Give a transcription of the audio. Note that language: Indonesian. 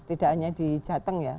tidak hanya di jateng ya